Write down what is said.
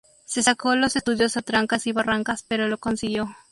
Se sacó los estudios a trancas y barrancas pero lo consiguió